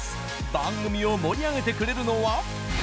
番組を盛り上げてくれるのは。